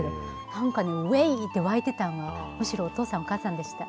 なんか、ウェイ！って沸いてたの、むしろお父さん、お母さんでした。